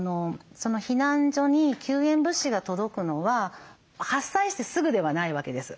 避難所に救援物資が届くのは発災してすぐではないわけです。